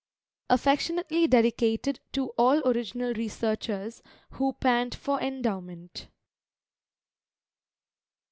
[Affectionately dedicated to all "original researchers" who pant for "endowment."